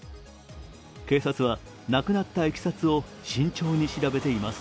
警察は、亡くなったいきさつを慎重に調べています。